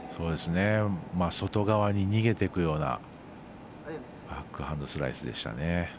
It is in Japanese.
外側に逃げていくようなバックハンドスライスでしたね。